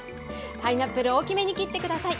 パイナップルを大きめに切ってください。